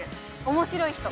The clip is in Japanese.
面白い人。